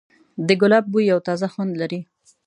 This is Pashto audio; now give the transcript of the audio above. د ګلاب بوی یو تازه خوند لري.